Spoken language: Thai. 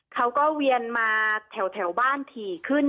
เวียนมาแถวบ้านถี่ขึ้น